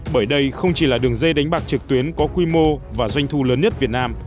bởi đây không chỉ là đường dây đánh bạc trực tuyến có quy mô và doanh thu lớn hơn